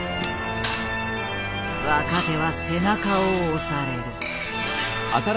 若手は背中を押される。